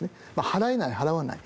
払えない、払わない。